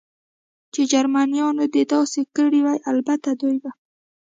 چې جرمنیانو دې داسې کړي وي، البته دوی به.